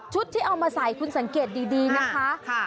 ที่เอามาใส่คุณสังเกตดีนะคะ